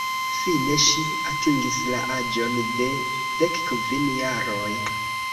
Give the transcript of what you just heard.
Fine ŝi atingis la aĝon de dekkvin jaroj.